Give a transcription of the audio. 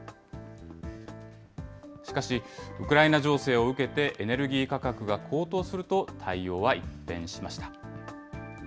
しかし、ウクライナ情勢を受けて、エネルギー価格が高騰すると、対応は一変しました。